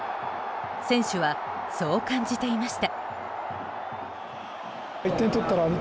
選手は、そう感じていました。